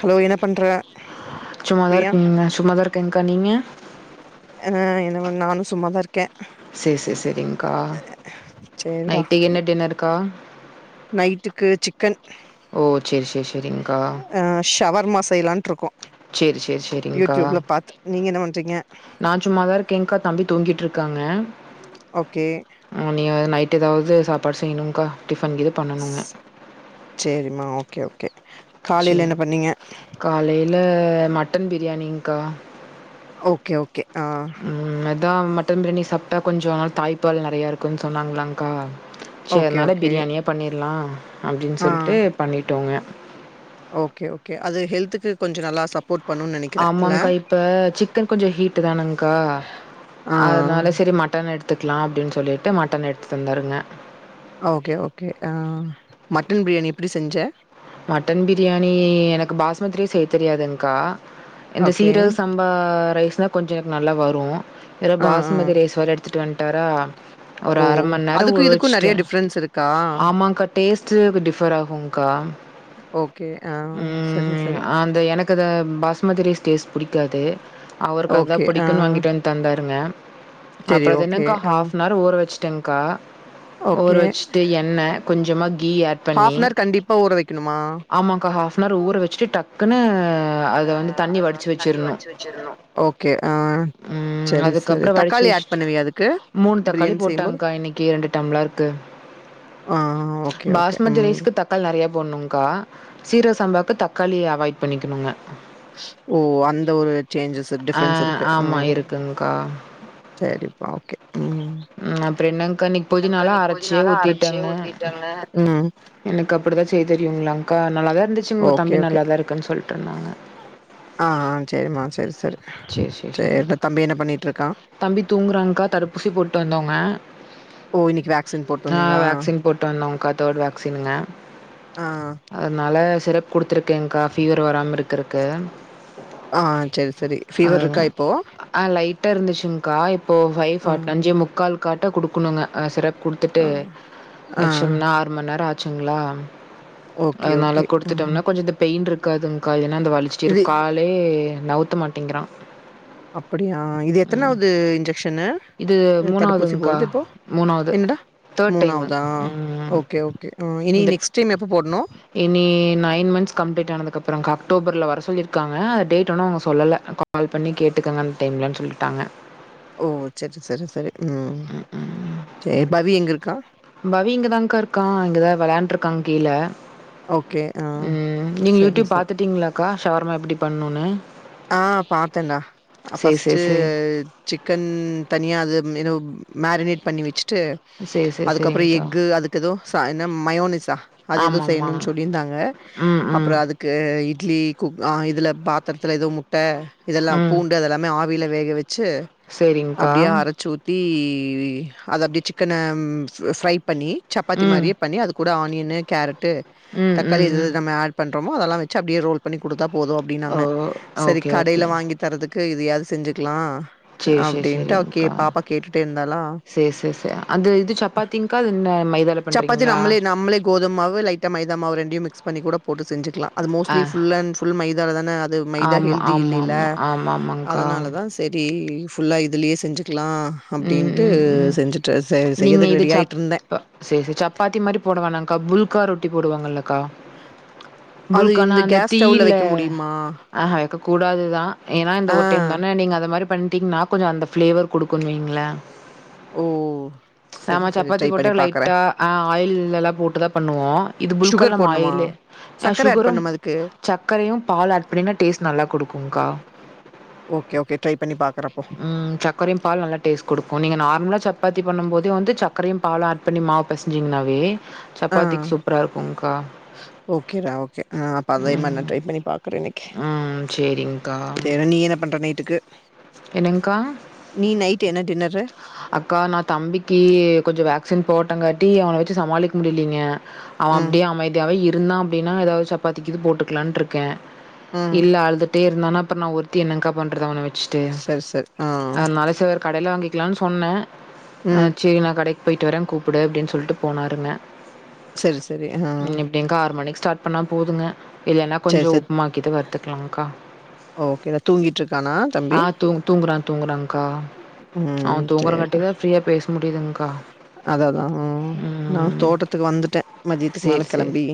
Hello என்ன பண்ற சும்மாதா பிரியா இருக்கேங்க சும்மாதா இருக்கேங்க்கா நீங்க ஆ என்னமா நானு சும்மாதா இருக் கே சரி சரி சரிங்க்கா சேரிடா நைட்டுக்கு என்ன டின்னருக்கா நைட்டுக்கு சிக்கன் ஓ சரி சரி சரிங்க்கா அ ஷவர்மாஸ் செய்லான்ட்ருக்கோ சரி சரி சரிங்க்கா யூடியூப்ல பாத்து நீங்க என்ன பண்றிங்க அ இனி நைட் ஏதாவுது சாப்பாடு செய்ணுங்க்கா டிஃபன் கீது பண்ணணுங்க செரிம்மா ஓகே ஓகே காலைல என்ன பண்ணிங்க இல்ல மட்டன் பிரியாணிங்க்கா ஓகே ஓகே ஆ தா மட்டன் பிரியாணி சாப்ட்டா கொஞ்ச அ தாய்ப்பால் நறையா இருக்குன் சொன்னாங்ளாங்க்கா செரி ஓகே னால ஓகே பிரியாணியே பண்ணிர்லா அப்டின் ஆ சொல்ட்டு பண்ணிட்டோங்க ஓகே ஓகே அது ஹெல்த்துக்கு கொஞ்ச நல்லா சப்போர்ட் பண்ணுன்னு நெனைக்கிறே இல்ல ஆமாங்கா இப்ப சிக்கன் கொஞ்ச ஹீட்டுதானங்க்கா ஆ அதனால சரி மட்டன் எடுத்துக்லா அப்டின் சொல்லிட்டு மட்டன் எடுத்துட் வந்தாருங்க ஓகே ஓகே ஆ மட்டன் பிரியாணி எப்பிடி செஞ்ச மட்டன் பிரியாணி எனக்கு பாஸ்மதி ரைஸ் செய்ய தெரியாதுங்க்கா இந்த ஓகே சீரக சம்பா ரைஸ்னா கொஞ்ச எனக்கு நல்லா வரு இவரு ஆ ஆ பாஸ்மதி ரைஸ் வேற எடுத்துட் வன்ட்டாறா ஒரு ஓ அர மண் நேர ஊற அதுக்கு இதுக்கு நெறைய வச்சுட்டே டிஃப்ரென்ஸ் இருக்கா ஆமாங்க்கா டேஸ்ட்டு டிஃபர் ஆகுங்க்கா ஓகே ஆ சரி, ம் சரி. அந்த எனக்கு அத பாஸ் அந்த மாதிரி ஸ்டேஸ் புடிக்காது அவருக்கு அதா ஓகே ஆ புடிக்குன்னு வாங்கிட்டு வந்து தந்தாருங்க சரி அப்புற அது ஓகே. என்னங்க்கா ஆ ஹாஃப்னார் ஊற வச்சுட்டேங்க்கா ஊற ஓகே. வச்சுட்டு எண்ணெ கொஞ்சமா கீ ஆட் ஹாஃப் பண்ணி அன் ஹவர் கண்டிப்பா ஊற வைக்கணுமா? ஆமாக்கா ஹாஸ்னவர் ஊற வெச்சுட்டு டக்குன்னு அத அ வந்து தண்ணி அத வடிச்சு வந்து தண்ணி வச்சிரணும். வடிச்சு வெச்சிடணு ம். செரி சரி தக்காளி ஆட் பண்ணுவியா அதுக்கு மூணு தக்காளி பிரியாணி செய்யும்போது? போட்டங்க்கா இன்னிக்கி ரெண்டு டம்ளர்க்கு ஆ ஓகே, ஓகே. பாஸ்மதி ம். ரைஸ்க்கு தக்காளி நறைய போடனுங்க்கா சீரகசம்பாக்கு தக்காளிய அவாய்ட் பண்ணிக்கணுங்க ஓ அந்த ஒரு சேஞ்சஸ் ஆ டிஃபரென்ஸ் இருக்கு ஓ ஆமா இருக்குங்க்கா. சேரிப்பா ஓகே ம் அப்றோ என்னங்க்கா இன்னிக் எனக்கு பொதினாலா அன்னைக்கு அரச்சு புதினாலா அரைச்சே ஊத்திட்டங்க ஊத்திட்டாங்க. ம். எனக்கு அப்டிதா செய்ய தெரியுங்ளாங்கா நல்லாதா இருந்துச்சுங் உங்க ஓகே, தம்பி ஓகே. நல்லாதா இருக்குன்னு சொல்ட்டு இருந்தாங்க ஆ செரிமா செரி செரி செரி செரி செரிங்க்கா தம்பி தூங்குறாங்க்கா தடுப்பூசி போட்டு வந்தோங்க ஓ இன்னைக்கு தா ஆ வேக்சின் போட்டு வந்தோங்க்கா தேர்டு வேக்சின்ங்க ஆ அதனால சிரப் குடுத்துருக்கேங்க்கா ஃபீவர் வராம இருக்கறக்கு ஆ செரி செரி அ அ லைட்டா இருந்துச்சுங்க்கா இப்போ ஃபைவ் ஆ ஃபா அஞ்சே முக்கால் காட்ட குடுக்கணுங்க சிரப் குடுத்துட்டு ஆ ஆ வச்சோம்னா ஆறு மண்நேர ஆச்சுங்ளா ஓகே அதனால ஓகே ஆ குடுத்துட்டம்னா கொஞ்ச இந்த பெயின் இருக் காதுங்க்கா இல்னா அது வலிச்சுட்டே இது இருக் காலே நவுத்த மாட்டேங்கிறா அப்படியா இது எத்தனாவது இன்ஜெக்ஷனு இது தடுப்பூசி மூணாவதுங்க்கா போறது இப்போ மூணாவது என்னடா தேர்ட் டைமு மூணாவதா ம் ஓகே ஓகே இனி இந்த நெக்ஸ்ட் டைம் எப்ப போடனு இனி நைன் மன்த்ஸ் கம்ப்ளீட் ஆனதுக்கப்புறங்க்கா அக்டோபர்ல வர சொல்லிருக்காங்க அது டேட் இன்னு அவங்க சொல்லல கால் பண்ணி கேட்டுக்கங்க அந்த டைம்லன் சொல்ட்டாங்க ஓ சர்சரி சரி ம் சரி பவி எங்கிருக்கா பவி இங்கதான்க்கா இருக்கான் இங்கதா வெளையாண்ட்ருக்காங் கீழே ஓகே ஆ ம் நீங்க சரி யூடியூப் சரி பாத்துட்டிங்ளா க்கா ஷவர்மா எப்டி பண்ணுனு ஆ பாத்தேன்டா சேரி ஃபஸ்டு சேரி சிக்கன் தனியா அது மெனு மேரினேட் பண்ணி வச்சுட்டு சேரி சேரி அதுக்கப்புற சேரிங்க்கா எக்கு அதுக்கு எதோ என்ன மயோனிஸ் த அது எதுவு ஆமாம்மா செய்யணுன் சொல்லிருந்தாங்க ம் அப்புற ம் அதுக்கு இட்லி குக் இதுல பாத்திரத்துல ஏதோ முட்ட இதெல்லா ம் பூண்டு அத எல்லாமே ஆவியில வேக வச் சு சேரிங்க்கா அப்டியே அரச்சு ஊத்தி அது அப்டி சிக்கன ஃபிரை பண்ணி சப்பாத்தி ம் மாரியே பண்ணி அது கூட ஆனியனு கேரட் ட்டு ம் தக்காளி ம் எதது ம் நம்ம ஆட் பண்றமோ அதெல்லா வச்சு அப்டியே ரோல் பண்ணி கொடுத்தா போது ஓ அப்டின்னாங்க சரி ஓகே ஓகே கடையில வாங்கி தரதுக்கு இதயாது செஞ்சுக்லா சேரி சேரி அப்டின்னுட்டு அவ சேரிங்க்கா பாப்பா கேட்டுட்டே இந்தாளா சேரி சேரி சேரி அது இது சப்பாத்திங்க்கா அது என்ன மைதால சப்பாத்தி பண்றீங்களா நம்ளே நம்ளே கோதுமாவு லைட்டா மைதாமாவு ரெண்டையும் மிக்ஸ் பண்ணி கூட போட்டு செஞ்சுக்லா அது ஆ மோஸ்ட்லி ஃபுல் அன் ஃபுல் மைதால தான அது மைதா ஆமா ஹெல்தி ஆமா இல்லைல ஆமா ஆமா ஆமாங்க்கா அதனால தா செரி ஃபுல்லா இதுலயே செஞ்சுக் க்கலா ம் அப்படின்ட்டு ம் ம் செஞ்சுட்டு நீங்க செய்யறதுக்கு இது ரெடி சப் ஆயிட்டு இருந்த அக்கா புல்கா ரொட்டி போடுவாங்கலக்கா அது புல்கானா இந்த அந்த கேஸ் ஸ்டவ்ல தீயில வைக்க முடியுமா ஆஹ வைக்க கூடாதுதா ஏன்னா இந்த ஆ ஒரு டைம் தான நீங்க அத மாரி பண் டிங்னா கொஞ்ச அந்த ஃப்ளேவர் கொடுக்கிங்கள ஓ சரி நாம சரி சப்பாத்தி ட்ரை போட்ட பண்ணி பாக்குறே லைட்டா ஆ ஆயில்லல்ல போட்டுதா பண்ணுவோ இது புல்கல்ல சுகர் நம்ம போட்ணுமா ஆயில் அ சக்கர ஆட் சுகரும் பண்ணுமா அதுக்கு சக்கரையும் பால் ஆட் பண்ணினா டேஸ்ட் நல்லா குடுக்குங்கா ஓகே ஓகே ட்ரை பண்ணி பாக்குறே அப்போ ம் சக்கரையு பால் நல்லாட் டேஸ்ட் கொடுக்கு நீங்க நார்மலா சப்பாத்தி பண்ணும்போதே வந்து சக்கரையு பாலு ஆட் பண்ணி மாவு பசஞ்சிங்கனாவே சப்பாத்திக் சூப்பராருக்குங்கா ஓகே டா ஓகே நா அப்ப அதேமாரி நா ட்ரை பண்ணி பாக்குறே இன்னைக் ம் சேரிங்க்கா ட்டுக்கு என்னங்கக்கா டின்னரு அக்கா நா தம்பிக்கு கொஞ்ச வேக் சென் போட்டங்காட்டி அவன வச்சு சமாளிக்க முடியலீங்க அவ ம் அப்டியே அமைதியாவே இரு இருந்தா அப்டின்னா எதாவது சப்பாத்திக் இது போட்டுக்லாண்ட்ருக்கே ம் இல்ல அழுதுட்டே இருந்தானா அப்பற நா ஒரு த்தி என்னங்கா பண்றது அவன வச்சுட்டு சரி சரி ஆ அதனால சார் கடைல வாங்கிக் க்கலான்னு சொன்னே ஆ ம் சேரி நா கடைக் போயிட்டு வரே கூப்புடு அப்படின் சொல்ட்டு போனாருங்க சரி சரி ஆ ம் இப்டிங்கா ஆறு மணிக்கு ஸ்டார்ட் பண்ணா போதுங்க இல்லன்னா கொஞ்ச சரி சரி உப்புமாக்கிது வறுத்துக்கலங்க்கா ஓகேடா தூங்கிட்ருக்கானா ஆ தம்பி தூங் தூங்குறா தூங்குறான்கா ம் அவன் தூங்குறங்கட்டி சரிடா தான் ஃப்ரீயா பேச முடியுதுங்கா அதா அதா ம் நான் தோட்டத்துக்கு வந்துட்ட மதியத்துக்கு மேல கிளம்பி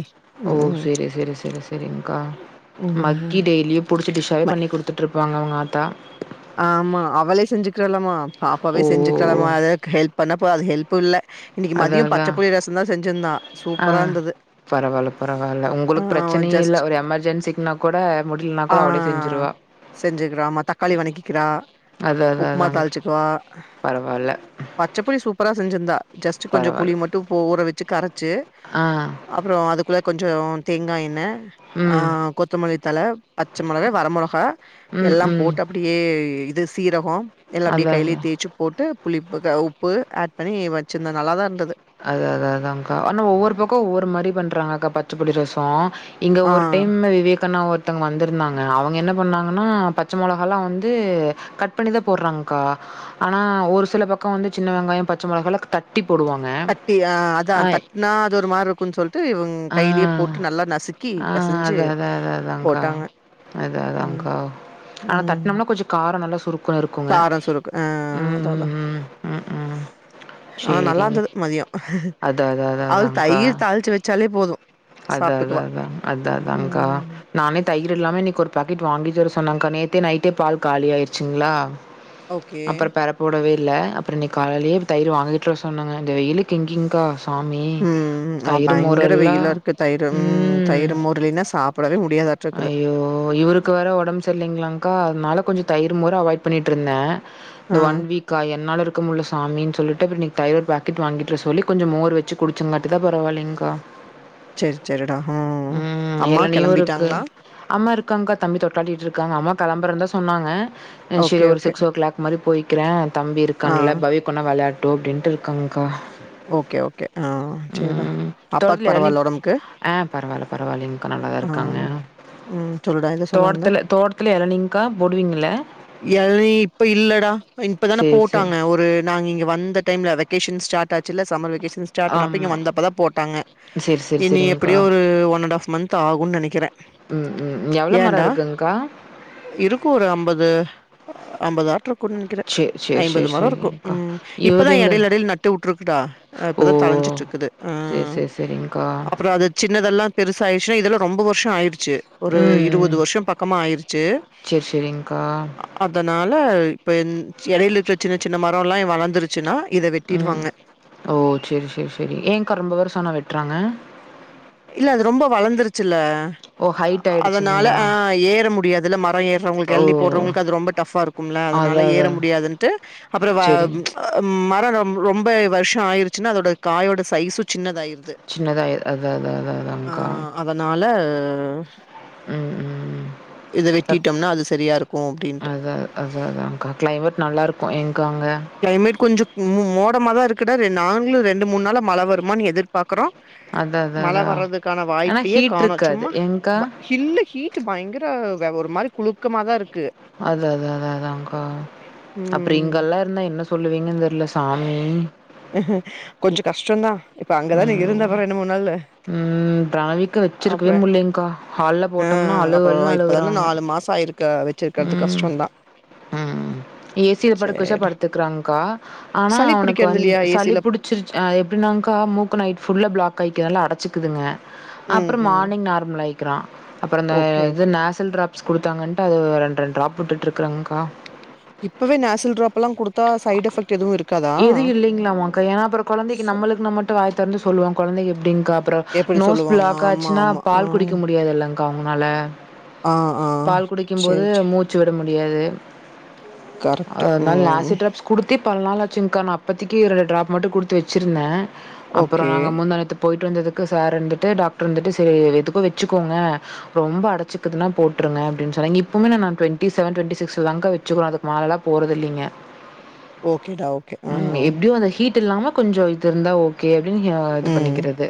ம் ம் செரி செரி செரி செரிங்க்கா ம் மக்கி டெய்லியு புடிச்சி டிஷ்ஷாவே ம பண்ணி குடுத்துட்ருப்பாங்க அவுங்க ஆத்தா ஆமா அவளே செஞ்சுக்றலாமா பாப்பாவே ஓ செஞ்சுக்கிறாலாமா அது ஹெல்ப் பண்ணப்ப அது ஹெல்ப்பு இல்ல இன்னைக்கு அதா மதிய அதா பச்சப்புளி ரசம்தா செஞ்சிருந்தா ஆ சூப்பரா இருந்தது பரவால்ல பரவால்ல ஆ உங்களுக்கு பிரச்சனை இல்ல ஜஸ்ட் ஒரு எமர்ஜென்சிக்குன்னா கொட முடிய்ல்னா கூட அவளே செஞ்சிருவா செஞ்சுக்றாமா தக்காளி வணக்கிக்கிறா அது அது உப்மா அதாங் தாளிச்சுக்குவா பரவால்ல பச்சப்புளி சூப்பரா செஞ்சிருந்தா ஜஸ்ட்டு கொஞ்ச புளி பரவால்ல மட்டு ஊற வச்சு கரச்சு ஆ அப்பற அதுக்குள்ள கொஞ்ச தேங்கா எண்ண ஆ ம் கொத்தமல்லி தழ பச்ச மொளவு வர மொளகா ம் எல்லாம் ம் போட்டு அப்டியே இது சீரகொ எல்லாப்படியே அதா கையிலே அதா தேச்சு போட்டு புளிப்புக உப்பு ஆட் பண்ணி வச்சிருந்த நல்லாதாருந்தது அது அத அதாங்கா ஆனா ஒவ்வொரு பக்க ஒவ்வொரு மாரி பண்றாங்க அக்கா பச்சப்புளி ரசொ இங்க ஆ ஒரு டைம்ம விவேக் தனா ஒருத்தங்க வந்திருந்தாங்க அவங்க என்ன பண்ணாங்கன்னா பச்ச மொளகால்லா வந்து கட் பண்ணிதா போட்றாங் கா ஆனா ஒரு சில பக்க வந்து சின்ன வெங்காய பச்ச மொளகால தட்டி போடுவாங் தட்டி ஆ அதா தட்னா அது ஒரு மாருக்குன் சொல்ட்டு ஆ இவுங்கையிலேயே போட்டு நல்லா நசுக்கி பெச ஆ அத அத அத அதாங்கா அத ம் அதாங்கா ஆனா தட்னம்னா கொஞ்ச கார நல்லா சு காரசுருக்கு ஆ அதாதா ம் ம் ம் ம் ஆ சேரிங் நல்லாந்துது மதிய அது தயிர் தாளிச்சு வெச்சாலே போது அத அத அதா அத அதாங்க்கா நானே தயிர் இல்லாமே இன்னைக்கொரு பாக்கெட் வாங்கிட்டு வர சொன்னங்க்கா நேத்தே நைட்டே பால் காலி ஆயிருச்சுங்ளா ஓகே அப்பற பெறப்போடவே இல்ல அப்பற இன்னைக் காலைலயே தயிரு வாங்கிட்டு வர சொன்னங்க இந்த வெயிலுக்கு எங்கிங்க்கா சாமி தயிரு மோரெல்லா தயிரு ம் தயிரு மோரில்லின்னா சாப்படவே முடியாதாட்ருக்குது ஓ இவருக்கு வேற ஒடம்பு செரிலிங்ளாங்க்கா அதனால கொஞ்ச தயிரு மோரு அவாய்ட் பண்ணிட்ருந்த இந்த ஆ ஒன் வீக்கா என்னால இருக் கமுல்ல சாமின் சொல்லிட்டு அப்பற இன்னிக் தயிரு ஒரு பேக்கெட் வாங்கிட்டு வர சொல்லி கொஞ்ச மோர் வெச்சு குடிச்சங்காட்டிதா பரவாலிங்க்கா செரி செரிடா ம் அம்மா இளநீயும் இருக்கு. கெளம்பிட்டாங்ளா அம்மா இருக்காங்க்கா தம்பி தொட்லாட்டிட்ருக்காங்க அம்மா கெளம்பறன்தா சொன்னாங்க அ சேரி ஓகே ஒரு ஓகே சிக்ஸ் ஓ கிளாக் மாரி போய்க்கிறே தம்பி ஆ இருக்கான்ல பவி கொன்னா வெளா டுட்டு அப்டின்ட்டு இருக்காங்க்கா ஓகே ஓகே ஆ செரிடா அப்பாக்கு தோட்டத்துல இளநீ பரவால ஒடம் ஆ பரவால பரவாலைங்க்கா நல்லாதா ஆ இருக்காங்க ம் சொல்லுடா எதோ சொல்ல வந்த தோட்டத்துல தோட்டத்துல எளநீங்க்கா போடுவீங்கள எளநி இப்ப இல்லடா இப்பதான சேரி சேரி போட்டாங்க ஒரு நாங்க இங்க வந்த டைம்ல வெக்கேஷன் ஸ்டாட் ஆச்சுல்ல சம்மர் வெகேஷ ன் ஸ்டாட் பண்ணப்போ ஆமா இங்க வந்தப்போதா போட்டாங்க சேரி சேரி இனி சேரிங்க்கா எப்டியோ ஒரு ஒன் அண்ட் ஆஃப் மந்த் ஆகுன் நெனக்கிற ம் ம் எவ்ளோ மரோ ஏண்டா இருக்குங்க்கா இருக்கு ஒரு அம்பது ட்ருக்குன் நெனக்கிற சேரி சேரி ஐம்பது சேரி மரொருக்கு சேரிங்க்கா ம் இப்பதா இவரு எங்க எடையில எடையில நட்டு உ ட்டா அ ஓ இப்பதா தலஞ்சிட்ருக்குது ஆ சேரி சேரி சேரிங்க்கா அப்பறொ அத சின்னதல் லா பெருசாய்ர்ச்சுனா இதெல்லா ரொம்ப வர்ஷொ ஆய்ர் ச்சு ஒரு ம் இருவது வர்ஷம் பக்கமா ஆய்ர்ச்சு சேரி சேரிங்க்கா அதனா ல இப்ப இந் எடையில இருக்க சின்னச் சின்ன மரொல்லா வளந்துருச்சுன்னா இத ம் வெட்டிடுவாங்க ஓ சேரி சேரி சேரி ஏங்க் யகா ரொம்ப வர்ஷொ ஆனா வெட்றாங்க இல்ல அது ரொம்ப வளந்துருச்சுல்ல ஓ அ ஹைட் அதனால ஆயிடுச்சுங்களா ஆ ஏற முடியாதுல மரொ ஏர்றவங்களுக்கு ஓ எளனி போட்றவங்களுக்கு அது ரொம்ப டஃப்ஃபா இருக்கும்ல அதனா அதா ல ஏற அதா முடியாதுன்ட்டு அப்பறொ வ சேரிங் ம் மர ரம் ரொம்ப வர்ஷொ ஆய்ருச்சுன்னா அதோட காயோட சைஸு சின்னதாய் சின்னதாய் அதா அதா அதா அதாங்க்கா அதனால ஆ ம் ம் இத வெட்டிட்டோம்னா அது செரியா இருக் அதா அதா அதாங்க்கா க்ளைமேட் நல்லா இருக்கு ஏங்க்கா அங்க க்ளைமேட் கொஞ்சொ ம் மோடமாதா இருக்குடா ரெ நாங்ளு ரெண்டு மூண் நாளா மழ வருமான் எதிர்பாக்குறோ அத மழ வர்றதுக்கான வாய்ப்பையே காணு இருக்காது சும்மா ஏங்க்கா வ ஹில்லு ஹீட் பயங்கர வ ஒரு மாரி குழுக்கமாதா இருக் அத அத அத அதாங்க்கா அப்றொ ம் இங்கல்லா இருந்தா என்ன சொல்லுவிங்கன் தெர்ல சாமி கஷ்டந்தா இப்ப அங்கதான ஐயோ இருந்த அப்ப ரெண்டு மூணு நாளு ம் திராவிக்க வெச்சிருக்கவே அப்றோ முடிலங்க்கா ஹால்ல போட்டோம்னா அழு அழு அழுகுறாங்க இருக்க வெச்சிருக்கிறது கஷ்டந்தா ம் ஏ சி ல படுக்க வெச்ச படுத்துக்றா ங்க்கா ஆனா சளி அவனுக்கு பிடிக்கிறது வந்து இல்லையா சளி ஏசில புடிச்சிரு எப்டினாங்க்கா மூக்க நைட் ஃபுல்லா பிளாக் ஆயிக் ல்ல அடைச்சுக்குதுங்க ம் அப்பற ம் மார்னிங் நார்மல் ஆயிக்கிறா அப்பற அந்த ஓகே இது ஓகே நேசல் டராப் ஸ் குடுத்தாங்கன்ட்டு அது ரெண் ரெண் ட்ராப் விட்டுட்டு இருக்கங்க்கா இப்பவே நேசல் ட்ராப் எது இல்லைங்களாமா அக்கா ஏன்னா அப்புறம் குழந்தைக்கு ச நம்மளுக்கு நம் மட்டும் வாய த இருந்து சொல்லுவங்க குழந்தை எப்படிங்க அப்புறம் எப்டி நோஸ் சொல்லுவாங்க பிளாக் ஆமா ஆச்சுன்னா ஆமா ஆ பால் குடிக்க முடியாதுல்லங்க அவங்கனால ஆ ஆ பால் குடிக்கும்போது சேரி சேரி மூச்சு விட முடியாது கரெக்ட் ம் சிட்ரப்ஸ் கொடுத்து பல நாள் அச்சுங்கக்கா அப்போதி இரண்டு ட்ராப் மட்டும் கொடுத்து வச்சுருந்தே அப்புறம் ஓகே நாங்க முந்தாநேத்து போய்ட்டு வந்ததுக்கு சார் இருந்துட்டு டாக்டர் இருந்துட்டு சரி எதுக்கோ வச்சுக்கோங்க ரொம்ப அடைச்சுக்குதுன்னா போட்டு விடுங்க அப்பின் சொன்னங்க இப்பவுமே டோண்டி சேவேன் டோண்டி சீஸ் வச்சுருவே அதுக்குமேல லாம் போறது இல்லங்க ஓகேடா ஓகே ஆ ம் எப்படியும் அந்த ஹீட் இல்லாம கொஞ்சம் இது இருந்தா ஓகே வெளிய இது ம் பண்ணிக்கிறது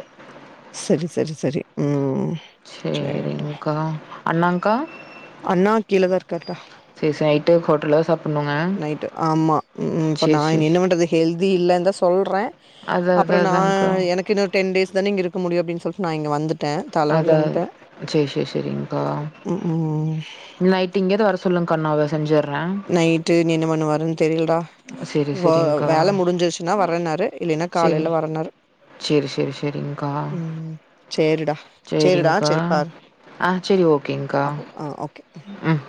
சரி சரி சரி ம் சேரிடா சரிங்க்கா அண்னாங்கா அண்ணா கீழதா இருக்கார்டா சீச ஆய்ட்டு ஹோட்டல சாப்டணுங்க நைட்டு ஆமா ம் இப்ப நா என்ன பண்ணறது ஹெல்தி இல்லைன்னு தான் சொல்றே அதான் அப்றோ அதான் நா அதான்க்கா. எனக்கு இன்னோ டென் டேஸ் தான இங்க இருக்க முடியு அப்டின்னு சொல்ட் நா இங்க வந்துட் அதா சேர் சேர் செரிங்க்கா ம் ம் நைட்டு இங்கேற்து வர சொல்லுங்க்கா அண்ணாவ செஞ்சர் நைட்டு என்ன பண்ணுவார்னு தெரிலடா செரி வா செரிங்க்கா வேல முடிஞ்சிர்ச்சின்னா வரன்னாரு இல்லைன்னா காலைல வரன்னாரு சேரி சேரி சேரி்ங்க்கா சேரிடா சேரிடா சேரிங்க்கா சேரி பாரு ஆ சேரி ஓககேங்க்கா அப்போ ஆ ஓகே ம்